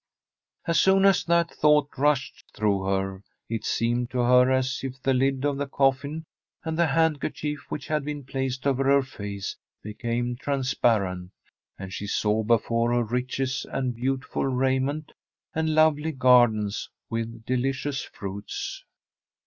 As soon as that thought rushed through her it seemed to her as if the lid of the coffin, and the handkerchief which had been placed over her face, became transparent, and she saw before her riches and beautiful raiment, and lovely gardens with delicious fruits.